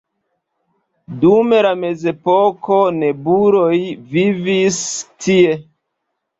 Dum la mezepoko nobeloj vivis tie.